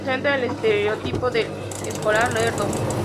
Representa el estereotipo del escolar lerdo.